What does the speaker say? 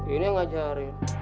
ini yang ngajarin